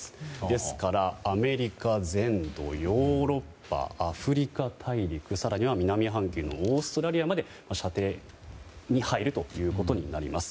ですからアメリカ全土ヨーロッパ、アフリカ大陸更に南半球のオーストラリアまで射程に入るということになります。